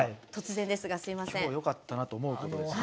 今日よかったなと思うことですね。